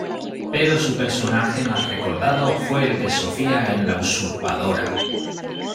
Pero su personaje más recordado fue el de Sofía en "La usurpadora".